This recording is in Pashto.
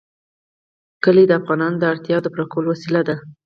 کلي د افغانانو د اړتیاوو د پوره کولو وسیله ده.